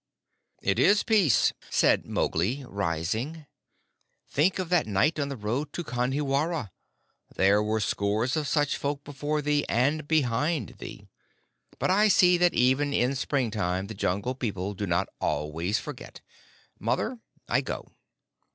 "It is peace," said Mowgli, rising. "Think of that night on the road to Kanhiwara. There were scores of such folk before thee and behind thee. But I see that even in springtime the Jungle People do not always forget. Mother, I go."